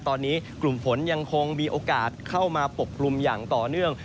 ตอนนี้กลุ่มฝนยังคงมีโอกาสเข้ามาปกกลุ่มอย่างต่อเนื่อง